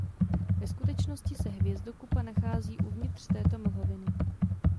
Ve skutečnosti se hvězdokupa nachází uvnitř této mlhoviny.